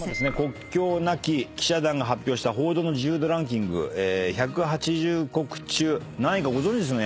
国境なき記者団が発表した報道の自由度ランキング１８０カ国中何位かご存じですよね？